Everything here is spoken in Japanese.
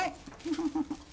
フフフフ。